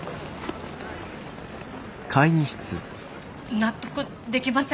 納得できません。